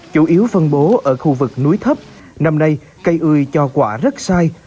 chủ yếu phân bố ở khu vực núi thấp năm nay cây ươi cho quả rất sai